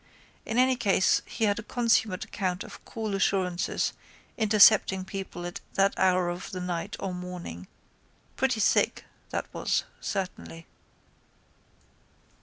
In any case he had a consummate amount of cool assurance intercepting people at that hour of the night or morning. Pretty thick that was certainly.